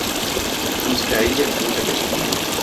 تروسکایییەک بوو لە گەشبینی